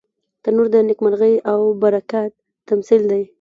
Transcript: تنور د نیکمرغۍ او برکت تمثیل دی